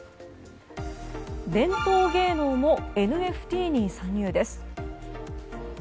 伝統芸能もＮＦＴに参入です。